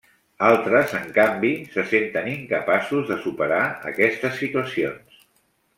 Altres, en canvi, se senten incapaços de superar aquestes situacions.